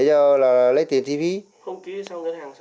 không ký xong ngân hàng sao